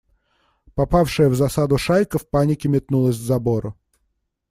Попавшая в засаду шайка в панике метнулась к забору.